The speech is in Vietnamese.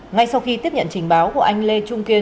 ngay sau khi tiếp nhận trình báo của anh lê trung kiên